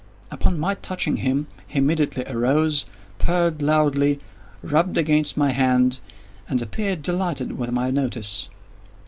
Upon my touching him, he immediately arose, purred loudly, rubbed against my hand, and appeared delighted with my notice.